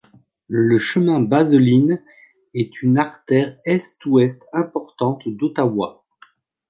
Le chemin Baseline est une artère est–ouest importante d'Ottawa.